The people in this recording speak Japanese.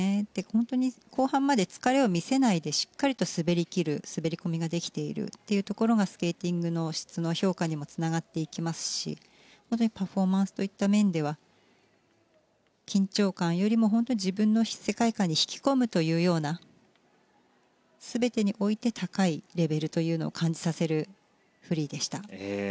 本当に後半まで疲れを見せないでしっかりと滑り切る滑り込みができているというのがスケーティングの質の評価にもつながっていきますしパフォーマンスという面では緊張感よりも自分の世界観に引き込むというような全てにおいて高いレベルというのを感じさせるフリーでした。